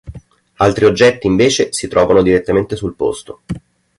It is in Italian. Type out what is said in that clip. Altri oggetti, invece, si trovano direttamente sul posto.